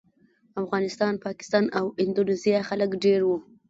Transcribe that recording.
افغانستان، پاکستان او اندونیزیا خلک ډېر وو.